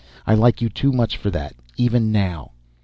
I like you too much for that, even now."